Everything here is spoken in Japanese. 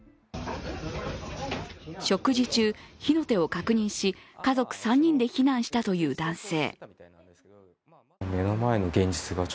食事中、火の手を確認し、家族３人で避難したという男性。